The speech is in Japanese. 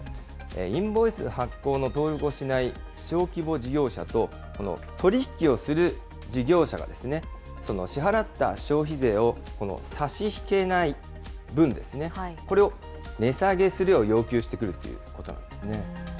インボイス発行の登録をしない小規模事業者と、取り引きをする事業者が支払った消費税を差し引けない分ですね、これを値下げするよう要求してくるということなんですね。